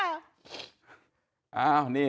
อ้าวนี่